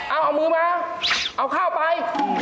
เอาเอามือมาเอาข้าวไป